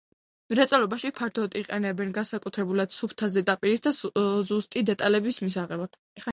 მრეწველობაში ფართოდ იყენებენ განსაკუთრებულად სუფთა ზედაპირის და ზუსტი დეტალების მისაღებად.